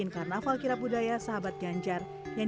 karnaval kirab budaya